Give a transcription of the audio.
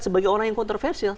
sebagai orang yang kontroversial